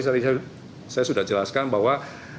saya sudah jelaskan bahwa